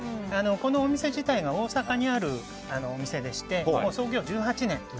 このお店自体が大阪にあるお店でして創業１８年。